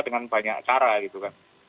dengan banyak cara gitu kan